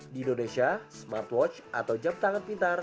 di indonesia smartwatch atau jam tangan pintar